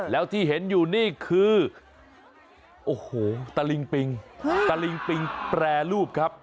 แล้วที่เห็นอยู่นี่คือโอ้โหตะลิงปิงตะลิงปิงแปรรูปครับ